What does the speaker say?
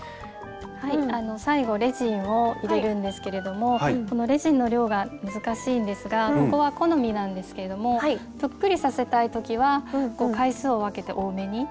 はい最後レジンを入れるんですけれどもこのレジンの量が難しいんですがここは好みなんですけどもぷっくりさせたい時は回数を分けて多めに。